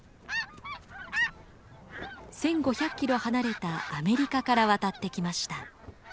１，５００キロ離れたアメリカから渡ってきました。